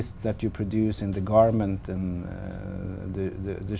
những suy nghĩ của anh